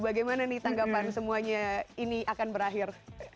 bagaimana nih tanggapan semuanya ini akan berakhir